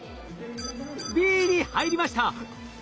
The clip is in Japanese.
Ｂに入りました。